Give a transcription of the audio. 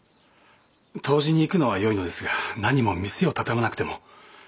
湯治に行くのはよいのですが何も店を畳まなくても。